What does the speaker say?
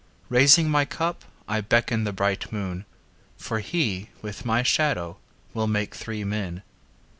Raising my cup I beckon the bright moon, For he, with my shadow, will make three men.